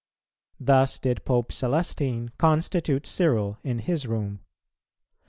Thus did Pope Celestine constitute Cyril in his room.